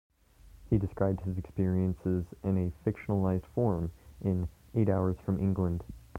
He described his experiences in a fictionalised form in "Eight Hours from England".